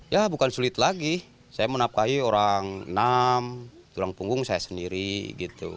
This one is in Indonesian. ya bukan sulit lagi saya menafkahi orang enam tulang punggung saya sendiri gitu